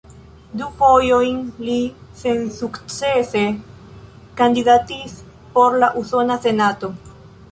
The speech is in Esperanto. Du fojojn li sensukcese kandidatis por la Usona Senato.